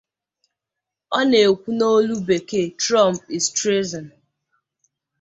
Ọ na-ekwu n’olu bekee Trump is treason!